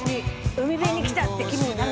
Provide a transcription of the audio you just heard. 海辺に来たって気分になる。